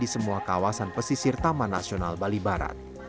di semua kawasan pesisir taman nasional bali barat